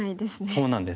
そうなんです。